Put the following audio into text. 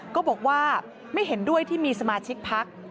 ก็บอกว่าไม่เห็นด้วยที่มีสมาชิกพัก